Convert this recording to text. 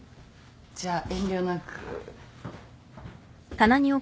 じゃあ遠慮なく。